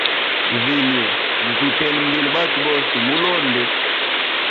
Vilye gututele batwe bose mbila tumulonde.